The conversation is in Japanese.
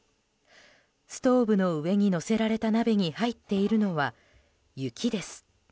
ストーブの上に乗せられた鍋に入っているのは雪です。